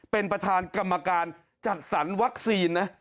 เป็นประธานกรรมการจัดสรรวัคซีนนะ